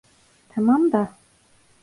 Tamam da…